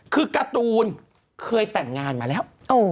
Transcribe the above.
คือการ์ตูนเคยแต่งงานมาแล้ว